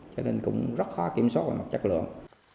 cho nên cũng rất khó kiểm soát về mặt chất lượng